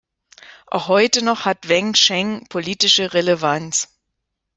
Auch heute noch hat Wen Cheng politische Relevanz.